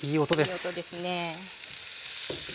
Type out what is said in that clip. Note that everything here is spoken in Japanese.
いい音ですね。